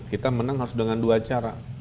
kita menang harus dengan dua cara